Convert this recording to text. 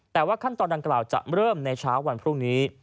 แต่ว่าขั้นตอนดังกล่าวจะเริ่มในเช้าวันพรุ่งนี้